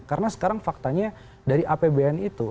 karena sekarang faktanya dari apbn itu